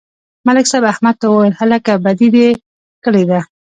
ملک صاحب احمد ته وویل: هلکه، بدي دې کړې ده.